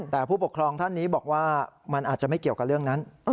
แต่ผู้ปกครองท่านนี้บอกว่ามันอาจจะไม่เกี่ยวกับเรื่องนั้น